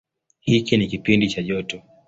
Hiki ni kipindi cha joto.